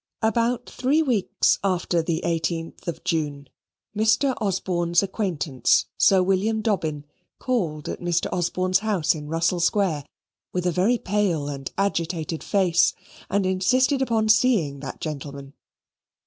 About three weeks after the 18th of June, Mr. Osborne's acquaintance, Sir William Dobbin, called at Mr. Osborne's house in Russell Square, with a very pale and agitated face, and insisted upon seeing that gentleman.